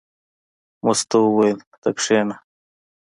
مستو وویل: ته کېنه.